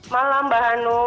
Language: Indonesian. malam mbak hanu